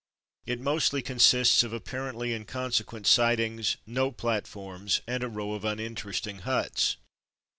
It mostly consists of apparently inconsequent sidings, no plat forms, and a row of uninteresting huts.